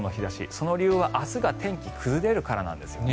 その理由は明日が天気崩れるからなんです。